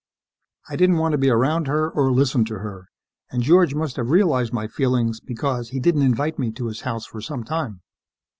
I didn't want to be around her or listen to her, and George must have realized my feelings because he didn't invite me to his house for some time.